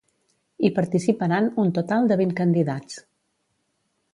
Hi participaran un total de vint candidats.